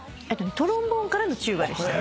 トロンボーンからのチューバでした。